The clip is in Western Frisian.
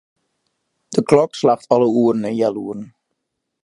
De klok slacht alle oeren en healoeren.